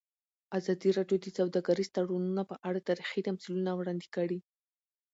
ازادي راډیو د سوداګریز تړونونه په اړه تاریخي تمثیلونه وړاندې کړي.